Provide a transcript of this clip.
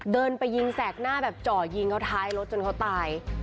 เดินไปยิงแสกหน้าแบบเจาะยิงเขาท้ายรถจนเขาตาย